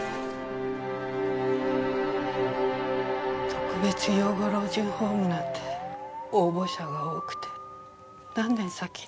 特別養護老人ホームなんて応募者が多くて何年先になるか。